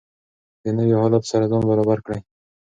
د نویو حالاتو سره ځان برابر کړئ.